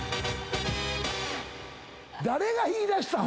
誰が言いだしたん？